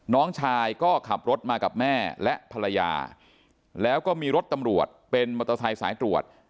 น้องชายก็ขับรถมากับแม่และภรรยาแล้วก็มีรถตำรวจเป็นมอเตอร์ไซค์สายตรวจ